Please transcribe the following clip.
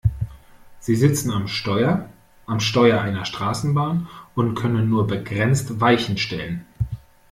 Sie sitzen am Steuer - am Steuer einer Straßenbahn und können nur begrenzt Weichen stellen.